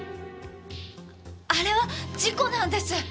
あれは事故なんです！